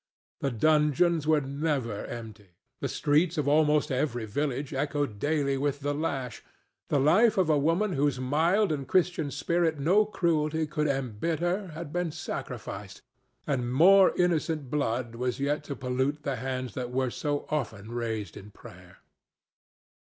The dungeons were never empty; the streets of almost every village echoed daily with the lash; the life of a woman whose mild and Christian spirit no cruelty could embitter had been sacrificed, and more innocent blood was yet to pollute the hands that were so often raised in prayer.